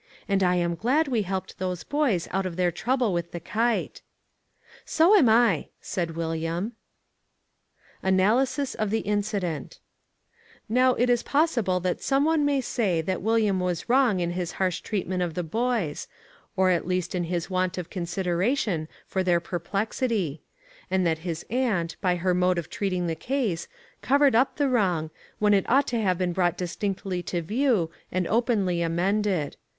And I am glad we helped those boys out of their trouble with the kite." "So am I," said William. Analysis of the Incident. Now it is possible that some one may say that William was wrong in his harsh treatment of the boys, or at least in his want of consideration for their perplexity; and that his aunt, by her mode of treating the case, covered up the wrong, when it ought to have been brought distinctly to view and openly amended.